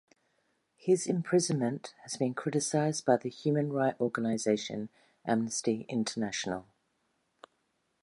His imprisonment has been criticized by the human right organisation Amnesty International.